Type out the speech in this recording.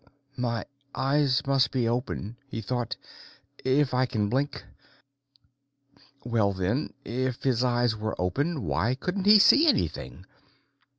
My eyes must be open, he thought, if I can blink. Well, then, if his eyes were open, why couldn't he see anything?